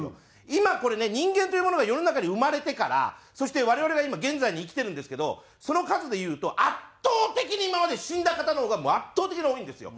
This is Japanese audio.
今これね人間というものが世の中に生まれてからそして我々が今現在に生きてるんですけどその数で言うと圧倒的に今まで死んだ方のほうがもう圧倒的に多いんですよ。